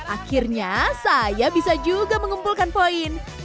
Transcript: akhirnya saya bisa juga mengumpulkan poin